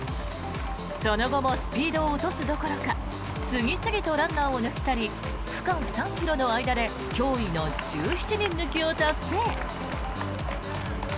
その後もスピードを落とすどころか次々とランナーを抜き去り区間３ｋｍの間で驚異の１７人抜きを達成。